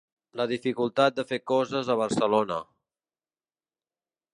La dificultat de fer coses a Barcelona.